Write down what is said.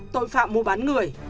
tội phạm mua bán người